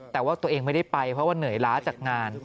แต่ว่าตัวเองไม่ได้ไปเพราะว่าเหนื่อยล้าจากงาน